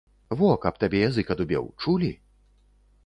Во, каб табе язык адубеў, чулі?